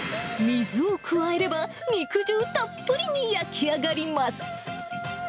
水を加えれば、肉汁たっぷりに焼き上がります。